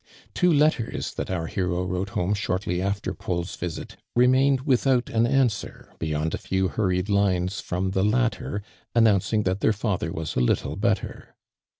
Two letters that our hero wrote home shortly after Paul's visit, remained without an answer, beyond a few hurried lines from the latter announcing that their father was a little better.